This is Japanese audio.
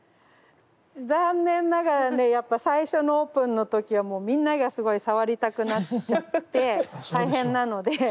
残念ながらねやっぱ最初のオープンの時はもうみんながすごい触りたくなっちゃって大変なので。